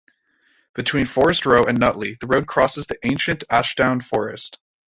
Between Forest Row and Nutley the road crosses the ancient Ashdown Forest.